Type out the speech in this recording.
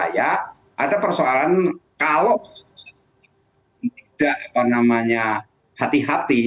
ada persoalan kalau tidak hati hati